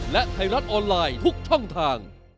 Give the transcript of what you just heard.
และไทยรัฐออนไลน์ทุกช่องทาง